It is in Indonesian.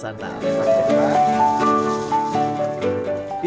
saya pun ikut meracik mie yang akan saya santai